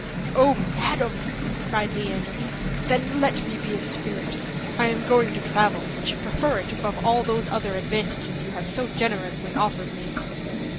"Oh, madam!" cried Leander, "then let me be a spirit; I am going to travel, and should prefer it above all those other advantages you have so generously offered me."